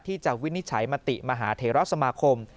วินิจฉัยมติมหาเทราสมาคม